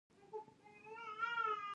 ملګرتوب ښه دی.